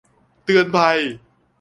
เตือนภัย !